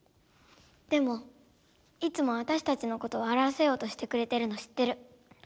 でもいつもわたしたちのことをわらわせようとしてくれてるの知ってる。